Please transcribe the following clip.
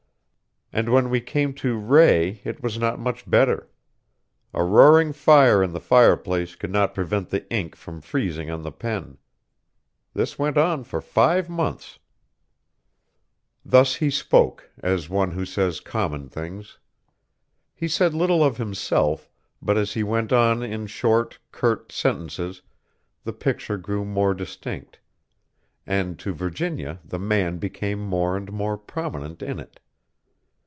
And when we came to Rae it was not much better. A roaring fire in the fireplace could not prevent the ink from freezing on the pen. This went on for five months." [Footnote A: Froid cold.] Thus he spoke, as one who says common things. He said little of himself, but as he went on in short, curt sentences the picture grew more distinct, and to Virginia the man became more and more prominent in it.